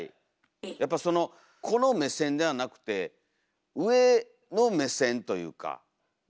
やっぱそのこの目線ではなくて上の目線というか見下ろしたい。